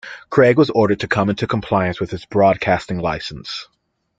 Craig was ordered to come into compliance with its broadcasting licence.